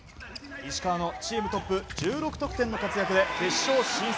石川のチームトップ１６得点の活躍で決勝進出。